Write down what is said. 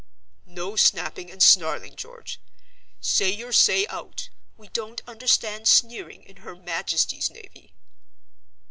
"No snapping and snarling, George! Say your say out. We don't understand sneering in Her Majesty's Navy!"